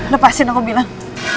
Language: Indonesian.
lepasin aku bilang